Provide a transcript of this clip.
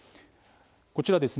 こちらはですね